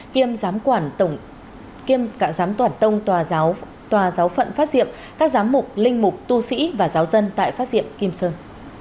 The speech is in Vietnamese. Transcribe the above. kiêm giám toàn tông tòa giáo phận phát diệm các giám mục linh mục tu sĩ và giáo dân tại phát diệm kim sơn